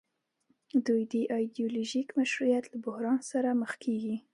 دوی د ایډیولوژیک مشروعیت له بحران سره مخ کیږي.